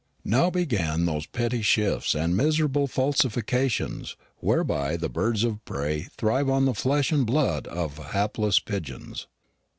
Now began those petty shifts and miserable falsifications whereby the birds of prey thrive on the flesh and blood of hapless pigeons.